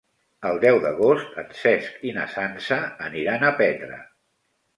El deu d'agost en Cesc i na Sança aniran a Petra.